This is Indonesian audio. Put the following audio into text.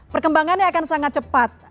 perkembangannya akan sangat cepat